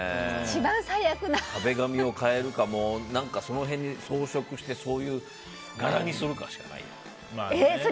壁紙を変えるか何かその辺を装飾してそういう柄にするしかないよね。